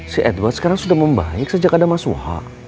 si edward sekarang sudah membaik sejak ada mas suha